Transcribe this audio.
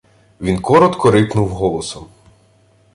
Він коротко рипнув голосом: